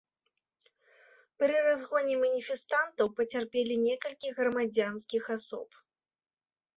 Пры разгоне маніфестантаў пацярпелі некалькі грамадзянскіх асоб.